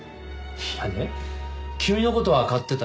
いやね君の事は買ってたよ。